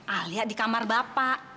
alia di kamar bapak